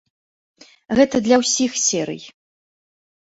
Гэта для ўсіх серый.